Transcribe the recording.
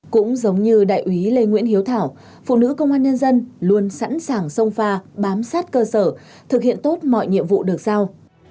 cũng giống như đại úy lê nguyễn hiếu thảo phụ nữ công an nhân dân luôn sẵn sàng sông pha bám sát cơ sở thực hiện tốt mọi nhiệm vụ được giao